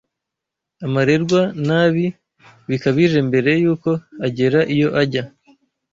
amererwa nabi bikabije mbere y’uko agera iyo ajya